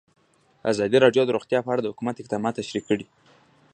ازادي راډیو د روغتیا په اړه د حکومت اقدامات تشریح کړي.